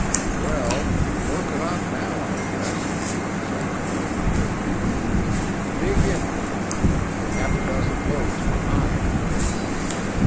"Well, you've worked it off now, I guess," said Toppy curtly. "Dig in, now; you're half a dozen loads behind."